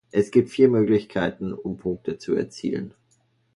Es gibt vier Möglichkeiten, um Punkte zu erzielen.